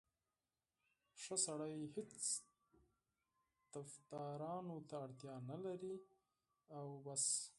ښه سړی هېڅ طفدارانو ته اړتیا نه لري او بس.